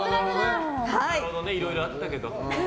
いろいろあったけど。